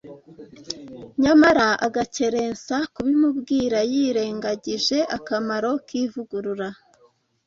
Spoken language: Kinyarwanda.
nyamara agakerensa kubimubwira yirengagije akamaro k’ivugurura